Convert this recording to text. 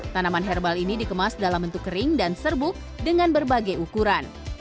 tanaman herbal ini dikemas dalam bentuk kering dan serbuk dengan berbagai ukuran